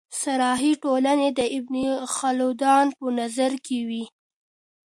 صحرايي ټولني د ابن خلدون په نظر کي وې.